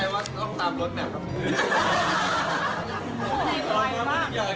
ไม่ใช่ในละคร